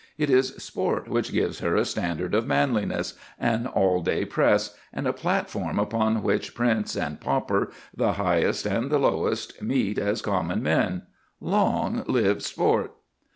It is sport which gives her a standard of manliness, an all day press, and a platform upon which prince and pauper, the highest and the lowest, meet as common men. Long live sport!